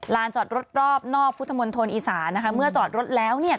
จอดรถรอบนอกพุทธมนตรอีสานนะคะเมื่อจอดรถแล้วเนี่ย